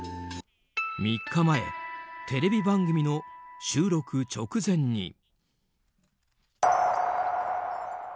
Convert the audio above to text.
３日前テレビ番組の収録直前に。